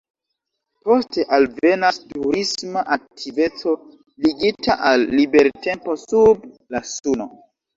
Poste alvenas turisma aktiveco ligita al libertempo sub la suno.